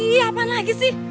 ih apaan lagi sih